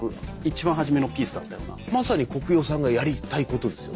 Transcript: まさにコクヨさんがやりたいことですよね。